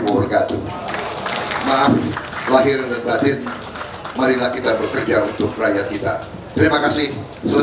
warahmatullahi wabarakatuh maaf lahir dan batin marilah kita bekerja untuk rakyat kita terima kasih telah